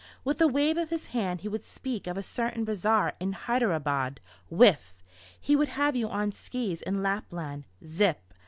With a wave of his hand he would speak of a certain bazaar in Hyderabad. Whiff! He would have you on skis in Lapland. Zip!